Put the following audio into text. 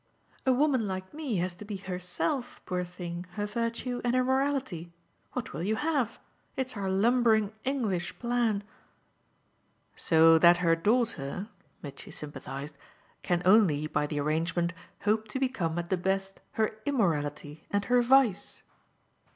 A woman like me has to be HERSELF, poor thing, her virtue and her morality. What will you have? It's our lumbering English plan." "So that her daughter," Mitchy sympathised, "can only, by the arrangement, hope to become at the best her immorality and her vice?"